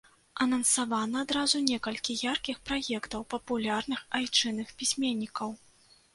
Анансавана адразу некалькі яркіх праектаў папулярных айчынных пісьменнікаў.